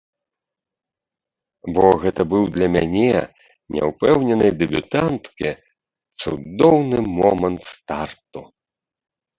Бо гэта быў для мяне, няўпэўненай дэбютанткі, цудоўны момант старту.